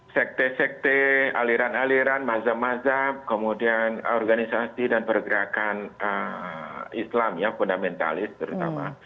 sekte sekte aliran aliran mazhab mazhab kemudian organisasi dan pergerakan islam ya fundamentalis terutama